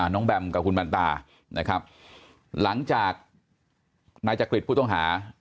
แบมกับคุณมันตานะครับหลังจากนายจักริตผู้ต้องหา